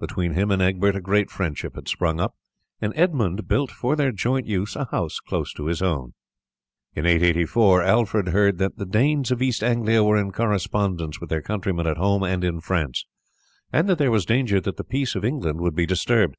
Between him and Egbert a great friendship had sprung up, and Edmund built for their joint use a house close to his own. In 884 Alfred heard that the Danes of East Anglia were in correspondence with their countrymen at home and in France, and that there was danger that the peace of England would be disturbed.